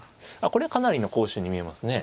これはかなりの好手に見えますね。